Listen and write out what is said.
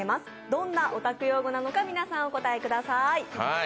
どんなオタク用語なのか、皆さんお答えください。